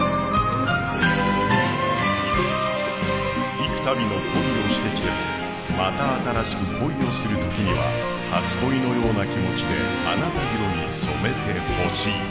いくたびの恋をしてきても、また新しく恋をするときには初恋のような気持ちであなた色に染めてほしい。